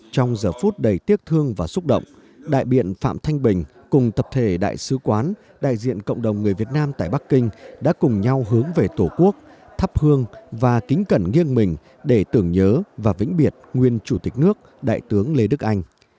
trong giờ phút đầy tiếc thương và xúc động đại biện phạm thanh bình cùng tập thể đại sứ quán đại diện cộng đồng người việt nam tại bắc kinh đã cùng nhau hướng về tổ quốc thắp hương và kính cẩn nghiêng mình để tưởng nhớ và vĩnh biệt nguyên chủ tịch nước đại tướng lê đức anh